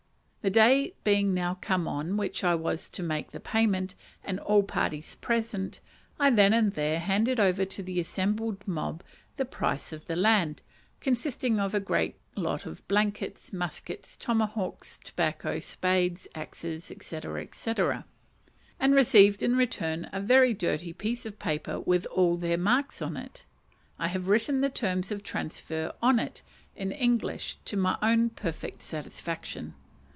The day being now come on which I was to make the payment, and all parties present, I then and there handed over to the assembled mob the price of the land, consisting of a great lot of blankets, muskets, tomahawks, tobacco, spades, axes, &c., &c. and received in return a very dirty piece of paper with all their marks on it, I having written the terms of transfer on it in English to my own perfect satisfaction.